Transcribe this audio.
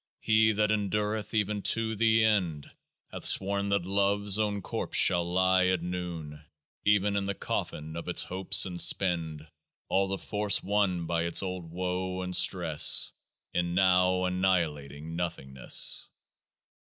He that endureth even to the end Hath sworn that Love's own corpse shall lie at noon Even in the coffin of its hopes, and spend All the force won by its old woe and stress In now annihilating Nothingness.